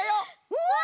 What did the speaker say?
うわ！